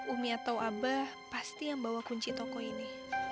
umi atau abah pasti yang bawa kunci toko ini